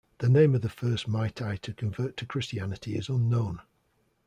The name of the first Meitei to convert to Christianity is unknown.